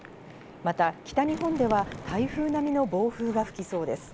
また北日本では台風並みの暴風が吹きそうです。